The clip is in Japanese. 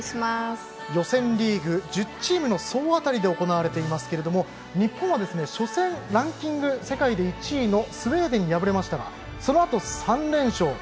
予選リーグは１０チームの総当たりで行われていますけれども日本は初戦ランキング、世界で１位のスウェーデンに敗れましたがそのあと３連勝。